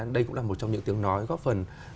đây cũng là một trong những tiếng nói góp phần